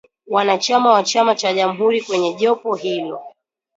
Wanachama wa chama cha Jamhuri kwenye jopo hilo